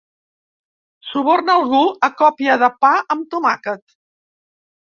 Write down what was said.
Suborna algú a còpia de pa amb tomàquet.